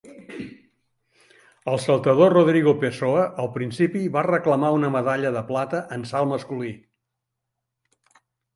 El saltador Rodrigo Pessoa al principi va reclamar una medalla de plata en salt masculí.